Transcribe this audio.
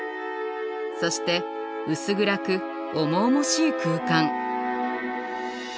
そして薄暗く重々しい空間。